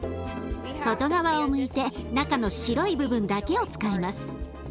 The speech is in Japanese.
外側をむいて中の白い部分だけを使います。